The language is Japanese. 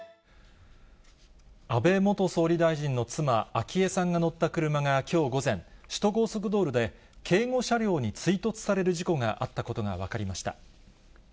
安倍元総理大臣の妻、昭恵さんが乗った車がきょう午前、首都高速道路で、警護車両に追突される事故があったことが分かりました。